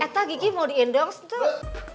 atau gigi mau di endorse tuh